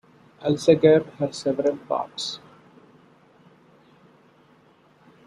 Alsager has several parks.